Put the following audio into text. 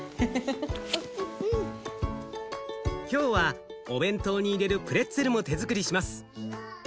今日はお弁当に入れるプレッツェルも手づくりします。